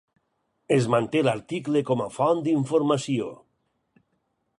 Es manté l'article com a font d'informació.